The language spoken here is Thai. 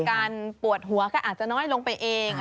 การปวดหัวก็อาจจะน้อยลงไปเอง